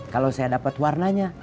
kalau saya dapet warnanya